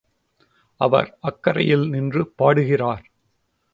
அவர் அக்கரையில் நின்று பாடுகிறார்.